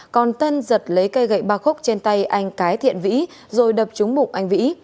còn tân giật lấy cây gậy ba khúc trên tay anh cái thiện vĩ rồi đập chúng mục anh vĩ